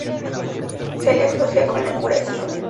Se la asocia con la curación.